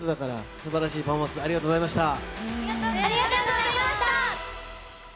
すばらしいパフォーマンスありがありがとうございました。